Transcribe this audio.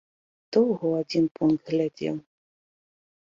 Доўга ў адзін пункт глядзеў.